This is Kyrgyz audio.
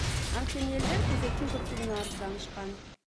Анткени элдер кезектин көптүгүнө арызданышкан.